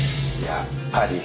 やっぱり。